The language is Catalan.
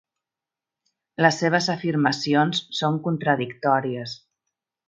Les seves afirmacions són contradictòries.